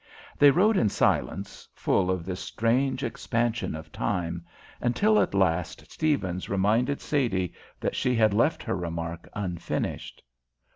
They rode in silence, full of this strange expansion of time, until at last Stephens reminded Sadie that she had left her remark unfinished.